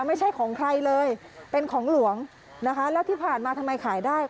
ไม่ใช่ของใครเลยเป็นของหลวงนะคะแล้วที่ผ่านมาทำไมขายได้